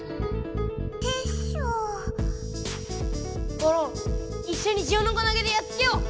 ゴロンいっしょにジオノコなげでやっつけよう！